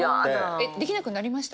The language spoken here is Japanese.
えっできなくなりました？